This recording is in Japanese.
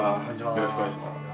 よろしくお願いします。